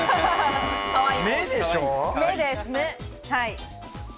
目です。